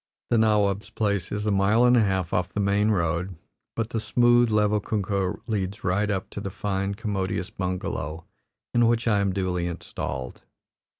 The nawab's place is a mile and a half off the main road, but the smooth, level kunkah leads right up to the fine, commodious bungalow, in which I am duly installed.